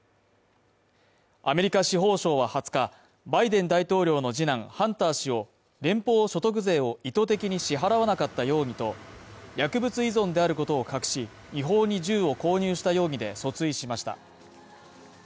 アメリカ司法省は２０日、バイデン大統領の次男ハンター氏を連邦所得税を意図的に支払わなかった容疑と薬物依存であることを隠し、違法に銃を購入した容疑で訴追しました。